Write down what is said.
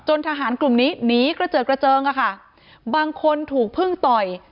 ทหารกลุ่มนี้หนีกระเจิดกระเจิงอะค่ะบางคนถูกพึ่งต่อย